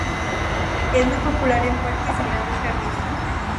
Es muy popular en parques y grandes jardines.